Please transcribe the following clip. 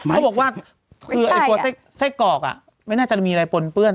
เขาบอกว่าคือไอ้ตัวไส้กรอกไม่น่าจะมีอะไรปนเปื้อน